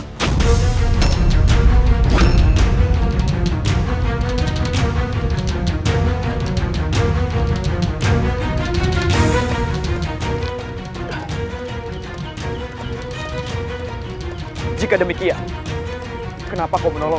bukankah kamu sudah memahami itu